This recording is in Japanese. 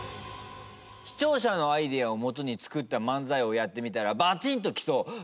視聴者のアイデアをもとに作った漫才をやってみたらバチーンときそう。